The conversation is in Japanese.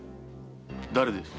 誰です？